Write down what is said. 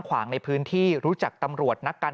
ปี๖๕วันเกิดปี๖๔ไปร่วมงานเช่นเดียวกัน